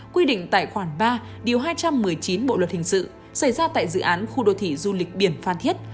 quy định tại khoản ba điều hai trăm một mươi chín bộ luật hình sự xảy ra tại dự án khu đô thị du lịch biển phan thiết